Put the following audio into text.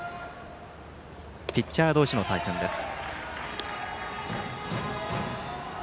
ピッチャー同士の対戦です。